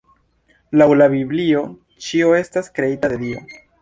Laŭ la Biblio ĉio estas kreita de Dio.